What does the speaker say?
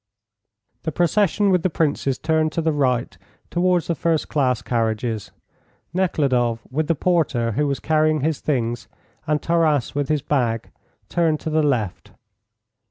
The procession with the Princess turned to the right towards the first class carriages. Nekhludoff, with the porter who was carrying his things, and Taras with his bag, turned to the left.